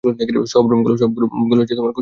সব রুমগুলো খুঁজে দেখ!